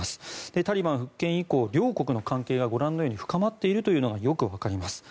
タリバン復権以降、両国の関係は深まっているというのがよく分かります。